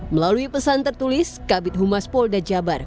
melalui pesan tertulis kabit humas polda jabar